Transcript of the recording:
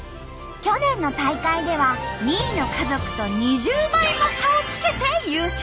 去年の大会では２位の家族と２０倍も差をつけて優勝！